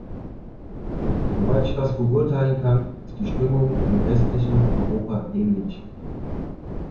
Soweit ich das beurteilen kann, ist die Stimmung im restlichen Europa ähnlich.